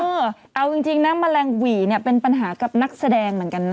เออเอาจริงนะแมลงหวีเนี่ยเป็นปัญหากับนักแสดงเหมือนกันนะ